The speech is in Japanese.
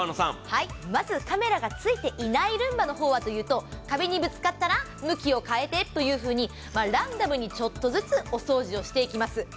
まずカメラがついていない方のルンバは壁にぶつかったら向きを変えてというふうにランダムにちょっとずつお掃除をしていきます。